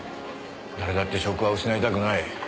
誰だって職は失いたくない。